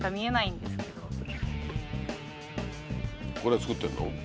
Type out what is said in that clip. ここで作ってんの？